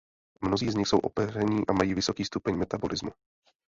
Mnozí z nich jsou opeření a mají vysoký stupeň metabolismu.